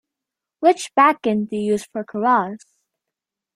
Which backend do you use for Keras?